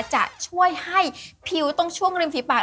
จะช่วยให้ผิวตรงช่วงริมฝีปาก